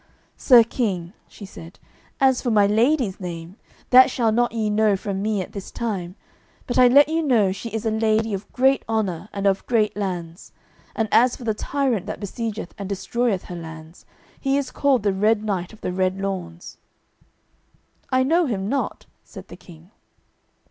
"Sir King," she said, "as for my lady's name, that shall not ye know from me at this time, but I let you know she is a lady of great honour and of great lands. And as for the tyrant that besiegeth and destroyeth her lands, he is called the Red Knight of the Red Lawns." "I know him not," said the King.